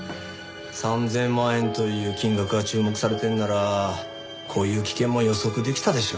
３０００万円という金額が注目されてるならこういう危険も予測できたでしょ？